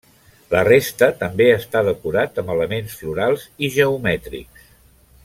La resta també està decorat amb elements florals i geomètrics.